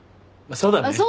そうだよね。